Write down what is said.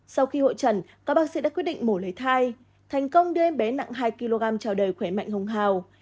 sau khi hội trần các bác sĩ đã quyết định mổ lấy thai thành công đưa em bé nặng hai kg chào đời khỏe mạnh hùng hào